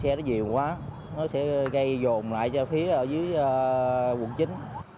cái lùn xe nó nhiều quá nó sẽ gây dồn lại cho phía ở dưới quận chín